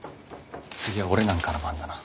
次は俺なんかの番だな。